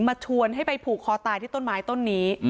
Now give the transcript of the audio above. ชวนให้ไปผูกคอตายที่ต้นไม้ต้นนี้